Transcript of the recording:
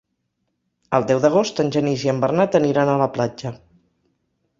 El deu d'agost en Genís i en Bernat aniran a la platja.